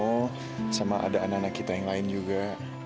oh sama ada anak anak kita yang lain juga